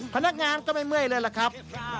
พนักงานก็ไม่เมื่อยเลยล่ะครับ